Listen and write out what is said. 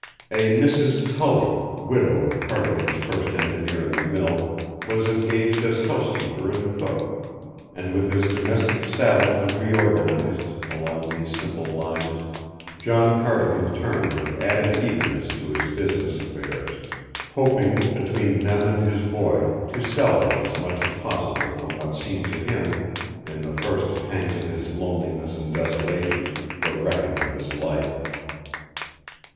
A Mrs. Tully, widow of Cardigan's first engineer in the mill, was engaged as housekeeper and cook; and with his domestic establishment reorganized along these simple lines, John Cardigan turned with added eagerness to his business affairs, hoping between them and his boy to salvage as much as possible from what seemed to him, in the first pangs of his loneliness and desolation, the wreckage of his life.